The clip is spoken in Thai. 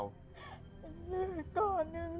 ว่านั้นถาม